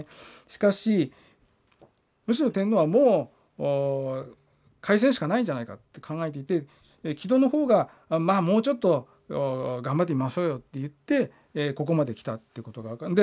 しかしむしろ天皇はもう開戦しかないんじゃないかって考えていて木戸の方がまあもうちょっと頑張ってみましょうよって言ってここまできたっていうことが分かる。